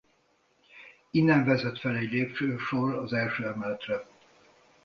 Innen vezet fel egy lépcsősor az első emeletre.